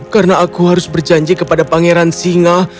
karena aku harus berjanji kepada pangeran singa